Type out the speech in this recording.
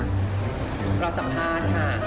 เมื่อกี่แล้วสัมภาษณ์